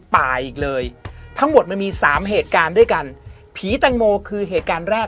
ป่าอีกเลยทั้งหมดมันมีสามเหตุการณ์ด้วยกันผีแตงโมคือเหตุการณ์แรก